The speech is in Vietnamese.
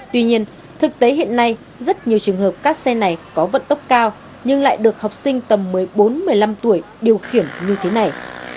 tuy nhiên thực tế hiện nay rất nhiều trường hợp các xe này có vận tốc cao nhưng lại được học sinh tầm một mươi bốn một mươi năm tuổi điều khiển như thế này